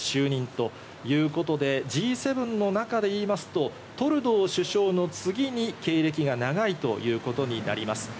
ということで、Ｇ７の中で言いますと、トルドー首相の次に経歴が長いということになります。